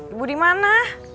ibu di mana